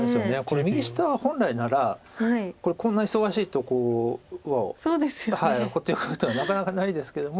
これ右下は本来ならこんな忙しいとこを放っておくというのはなかなかないですけども。